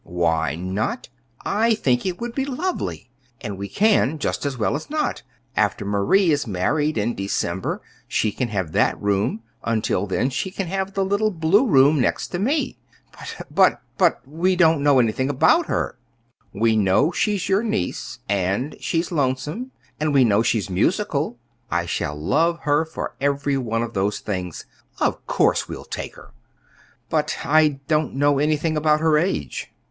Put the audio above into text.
"Why not? I think it would be lovely; and we can just as well as not. After Marie is married in December, she can have that room. Until then she can have the little blue room next to me." "But but we don't know anything about her." "We know she's your niece, and she's lonesome; and we know she's musical. I shall love her for every one of those things. Of course we'll take her!" "But I don't know anything about her age."